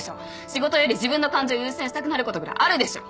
仕事より自分の感情優先したくなることぐらいあるでしょ。